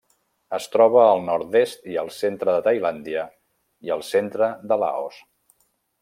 Es troba al nord-est i el centre de Tailàndia i el centre de Laos.